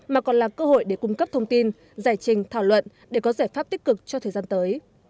mà còn là cơ hội để cung cấp thông tin giải trình thảo luận để có giải pháp tích cực cho thời gian tới